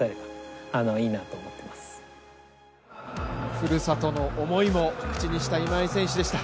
ふるさとの思いも口にした今井選手でした。